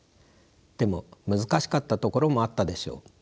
でも難しかったところもあったでしょう。